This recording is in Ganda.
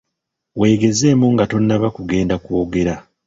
Weegezeemu nga tonnaba kugenda kwogera.